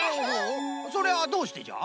それはどうしてじゃ？